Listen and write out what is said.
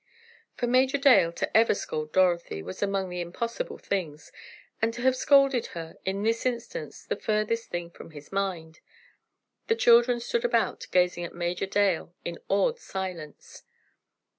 For Major Dale to ever scold Dorothy was among the impossible things, and to have scolded her in this instance, the furthest thing from his mind. The children stood about gazing at Major Dale in awed silence.